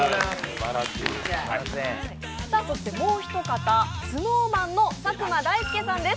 そしてもう一方、ＳｎｏｗＭａｎの佐久間大介さんです。